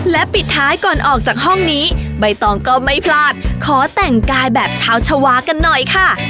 และปิดท้ายก่อนออกจากห้องนี้ใบตองก็ไม่พลาดขอแต่งกายแบบชาวชาวากันหน่อยค่ะ